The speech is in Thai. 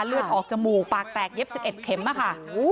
เลือดออกจมูกปากแตกเย็บ๑๑เข็มค่ะ